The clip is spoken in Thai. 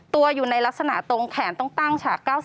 ตัวอยู่ในลักษณะตรงแขนต้องตั้งฉาก๙๐